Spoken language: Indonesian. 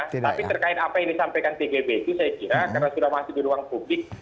tapi terkait apa yang disampaikan tgb itu saya kira karena sudah masuk di ruang publik